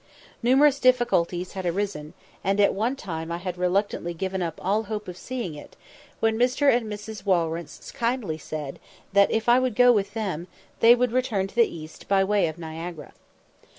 Numerous difficulties had arisen, and at one time I had reluctantly given up all hope of seeing it, when Mr. and Mrs. Walrence kindly said, that, if I would go with them, they would return to the east by way of Niagara.